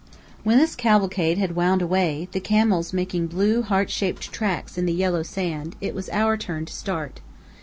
When this cavalcade had wound away, the camels making blue heart shaped tracks in the yellow sand, it was our turn to start.